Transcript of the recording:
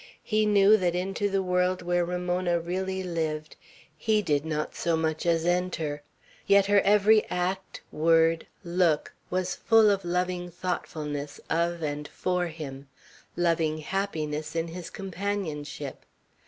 He knew that into the world where Ramona really lived he did not so much as enter; yet her every act, word, look, was full of loving thoughtfulness of and for him, loving happiness in his companionship.